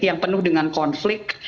yang penuh dengan konflik